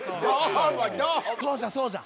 そうじゃそうじゃ。